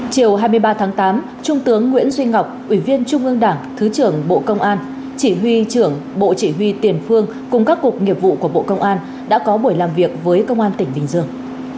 chiều hai mươi ba tháng tám trung tướng nguyễn duy ngọc ủy viên trung ương đảng thứ trưởng bộ công an chỉ huy trưởng bộ chỉ huy tiền phương cùng các cục nghiệp vụ của bộ công an đã có buổi làm việc với công an tỉnh bình dương